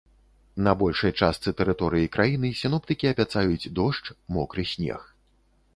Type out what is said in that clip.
На большай частцы тэрыторыі краіны сіноптыкі абяцаюць дождж, мокры снег.